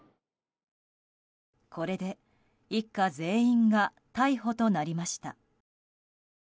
これで一家全員が逮捕となりました。